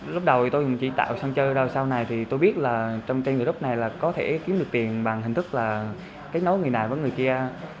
lúc đầu tôi chỉ tạo sang chơi sau này tôi biết trong team group này có thể kiếm được tiền bằng hình thức là kết nối người này với người kia